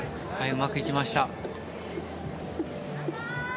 うまくいきました。